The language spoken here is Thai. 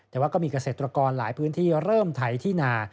แต่ว่าก็มีเกษตรกรหลายพื้นที่เริ่มไถที่นา